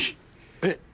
えっ！